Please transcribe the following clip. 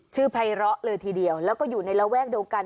ไพร้อเลยทีเดียวแล้วก็อยู่ในระแวกเดียวกัน